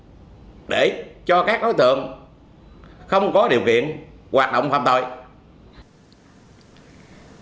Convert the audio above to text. không có điều kiện hoạt động phạm tài sản trên người để cho các đối tượng không có điều kiện hoạt động phạm tài sản